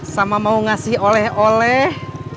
sama mau ngasih oleh oleh